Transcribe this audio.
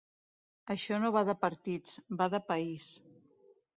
Això no va de partits, va de país.